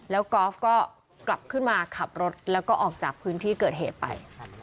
แล้วกอล์ฟก็กลับขึ้นมาขับรถแล้วก็ออกจากพื้นที่เกิดเหตุไป